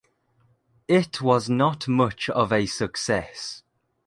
It was not much of a success.